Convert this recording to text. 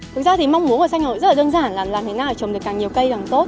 thực ra thì mong muốn của xanh hà nội rất là đơn giản là làm thế nào trồng được càng nhiều cây càng tốt